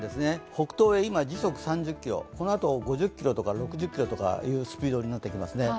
北東へ今時速３０キロ、このあと５０キロとか６０キロというスピードになってきますね。